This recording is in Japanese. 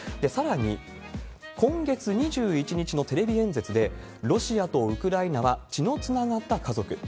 さらに、今月２１日のテレビ演説で、ロシアとウクライナは血のつながった家族。